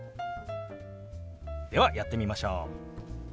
ではやってみましょう！